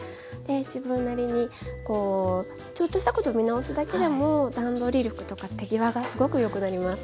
自分なりにこうちょっとしたことを見直すだけでも段取り力とか手際がすごくよくなります。